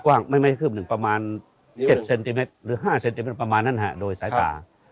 ไม่คืบหนึ่งประมาณ๗เซนติเมตรหรือ๕เซนติเมตรประมาณนั้นโดยสายตา